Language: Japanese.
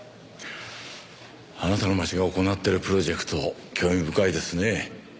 あなたの町が行っているプロジェクト興味深いですね。